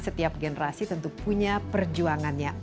setiap generasi tentu punya perjuangannya